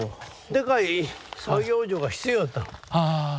でかい作業所が必要やったの。